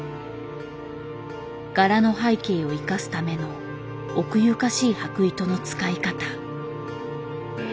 柄の背景を生かすための奥ゆかしい箔糸の使い方。